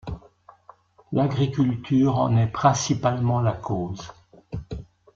L'agriculture en est principalement la cause.